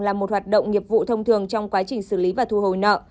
là một hoạt động nghiệp vụ thông thường trong quá trình xử lý và thu hồi nợ